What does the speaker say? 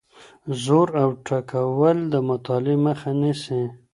زور او ټکول د مطالعې مخه نیسي.